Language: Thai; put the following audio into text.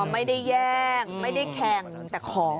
ไม่ได้แย่งไม่ได้แข่งแต่ขอ